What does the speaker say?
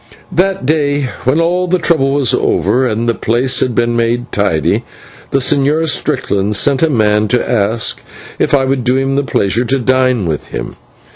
That day, when all the trouble was over, and the place had been made tidy, the Señor Strickland sent a man to ask if I would do him the pleasure to dine with him.